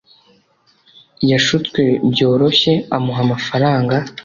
yashutswe byoroshye amuha amafaranga